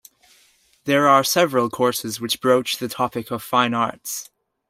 There are several courses which broach the topic of fine arts.